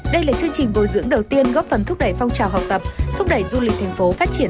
đây là chương trình bồi dưỡng đầu tiên góp phần thúc đẩy phong trào học tập thúc đẩy du lịch thành phố phát triển